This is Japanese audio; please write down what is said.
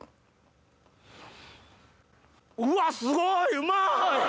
うわすごいうまい！